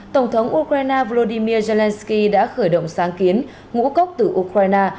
tổng thống ukraine volodymyr zelensky đã khởi động sáng kiến ngũ cốc từ ukraine